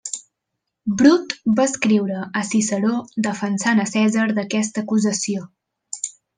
Brut va escriure a Ciceró defensant a Cèsar d'aquesta acusació.